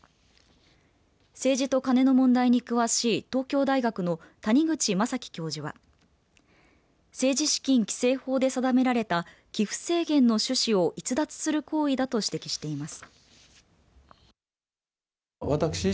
政治とカネの問題に詳しい東京大学の谷口将紀教授は政治資金規正法で定められた寄付制限の趣旨を逸脱する行為だと指摘しています。